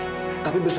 tapi berserta liontinnya